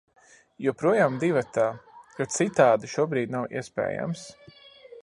Joprojām divatā, jo citādi šobrīd nav iespējams.